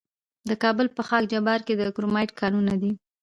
د کابل په خاک جبار کې د کرومایټ کانونه دي.